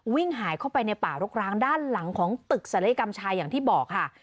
วิ่งหายเข้าไปในป่ารกร้างด้านหลังของตึกศัลยกรรมชายอย่างที่บอกค่ะ